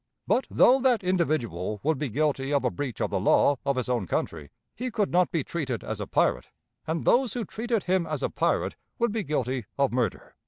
But, though that individual would be guilty of a breach of the law of his own country, he could not be treated as a pirate, and those who treated him as a pirate would be guilty of murder."